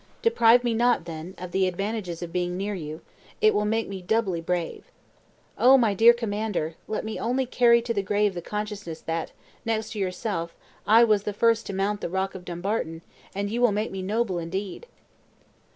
Deprive me not, then, of the advantages of being near you; it will make me doubly brave. Oh, my dear commander, let me only carry to the grave the consciousness that, next to yourself, I was the first to mount the rock of Dumbarton, and you will make me noble indeed!"